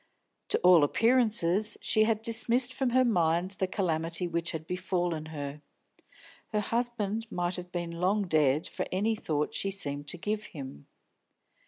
To all appearances she had dismissed from her mind the calamity which had befallen her; her husband might have been long dead for any thought she seemed to give him.